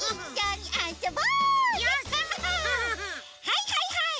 はいはいはい！